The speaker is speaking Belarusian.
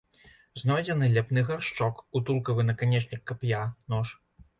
Знойдзены ляпны гаршчок, утулкавы наканечнік кап'я, нож.